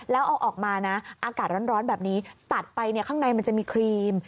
แล้วเอาออกมานะอากาศร้อนแบบนี้ตัดไปข้างในมันจะมีครีม